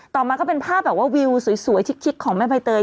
ต่อมาก็เป็นภาพแบบว่าวิวสวยชิคของแม่ใบเตย